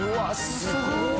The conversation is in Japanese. すごい！